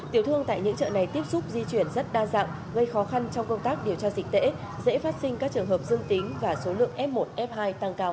tiểu thương tại những chợ này tiếp xúc di chuyển rất đa dạng gây khó khăn trong công tác điều tra dịch tễ dễ phát sinh các trường hợp dương tính và số lượng f một f hai tăng cao